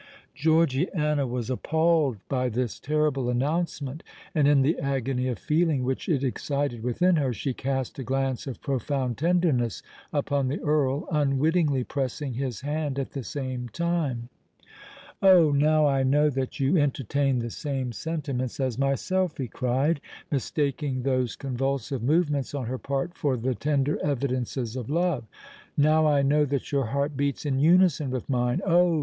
Georgiana was appalled by this terrible announcement; and in the agony of feeling which it excited within her, she cast a glance of profound tenderness upon the Earl, unwittingly pressing his hand at the same time. "Oh! now I know that you entertain the same sentiments as myself," he cried, mistaking those convulsive movements on her part for the tender evidences of love: "now I know that your heart beats in unison with mine. Oh!